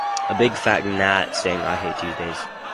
A big fat gnat saying 'I hate Tuesdays.